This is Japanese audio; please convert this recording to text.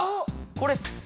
これっす。